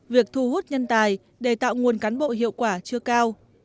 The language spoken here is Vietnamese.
việc thu hút nhân tài để tạo nguồn cán bộ hiệu quả chưa cao